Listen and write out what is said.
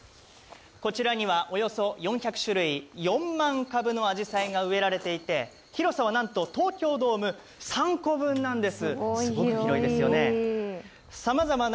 こちらには、およそ４００種類４万株のあじさいが植えられていて広さはなんと東京ドーム３個分なんです、すごく広いですよね。